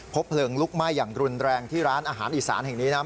เพลิงลุกไหม้อย่างรุนแรงที่ร้านอาหารอีสานแห่งนี้นะ